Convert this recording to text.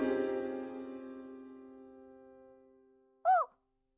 あっ！